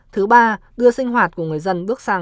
thứ ba đưa sinh hoạt của người dân bước sang